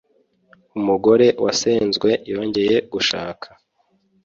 umugore wasenzwe yongeye gushaka